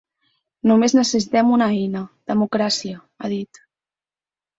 Només necessitem una eina: democràcia, ha dit.